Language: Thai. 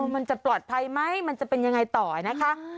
มันจะปลอดภัยไหมมันจะเป็นยังไงต่อนะคะ